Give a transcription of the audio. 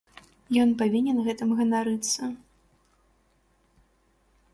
Ён павінен гэтым ганарыцца.